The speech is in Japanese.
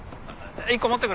１個持ってくれ。